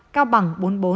cao bằng bốn mươi bốn